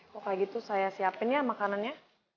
pokoknya gitu saya siapin ya makanannya